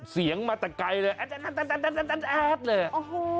เสียงมาแต่ไกลแอดบับบ้บบบบบบบบอะไรอะ